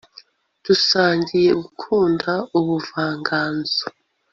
dusangiye gukunda ubuvanganzo